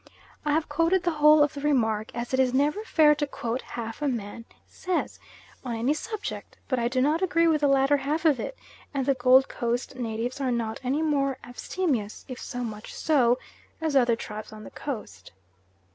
I have quoted the whole of the remark, as it is never fair to quote half a man says on any subject, but I do not agree with the latter half of it, and the Gold Coast natives are not any more abstemious, if so much so, as other tribes on the Coast.